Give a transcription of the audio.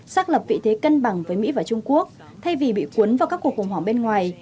xác lập vị thế cân bằng với mỹ và trung quốc thay vì bị cuốn vào các cuộc khủng hoảng bên ngoài